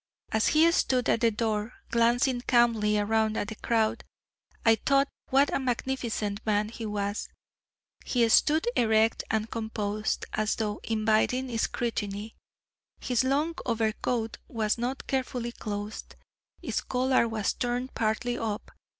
As he stood at the door glancing calmly around at the crowd, I thought what a magnificent man he was. He stood erect and composed, as though inviting scrutiny. His long overcoat was not carefully closed its collar was turned partly up.